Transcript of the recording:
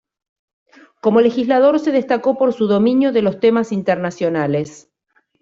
Como legislador se destacó por su dominio de los temas internacionales.